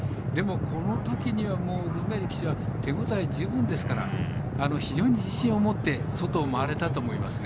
このときにはルメール騎手は手応え十分ですから非常に自信を持って外を回れたと思いますね。